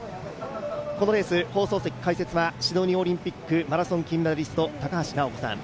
このレース、放送席・解説はシドニーオリンピックマラソン金メダリスト高橋尚子さん。